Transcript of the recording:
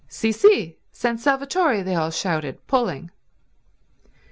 "Sì, sì—San Salvatore," they all shouted, pulling.